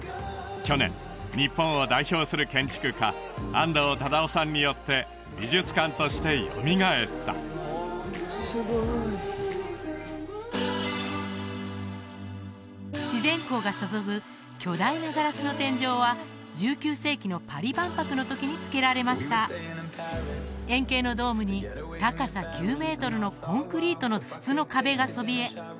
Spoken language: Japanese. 去年日本を代表する建築家安藤忠雄さんによって美術館としてよみがえったすごい自然光が注ぐ巨大なガラスの天井は１９世紀のパリ万博のときにつけられました円形のドームに高さ９メートルのコンクリートの筒の壁がそびえ